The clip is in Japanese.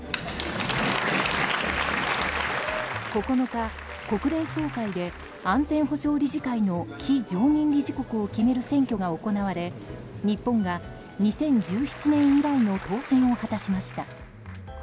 ９日、国連総会で安全保障理事会の非常任理事国を決める選挙が行われ日本が２０１７年以来の当選を果たしました。